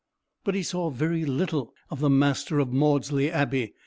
But he saw very little of the master of Maudesley Abbey.